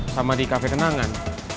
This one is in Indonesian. sama di cafe kenangan